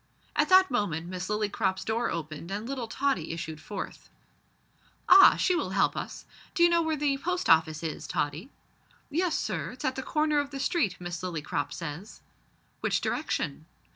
At that moment Miss Lillycrop's door opened and little Tottie issued forth. "Ah! she will help us. D'you know where the Post Office is, Tottie?" "Yes, sir, it's at the corner of the street, Miss Lillycrop says." "Which direction?"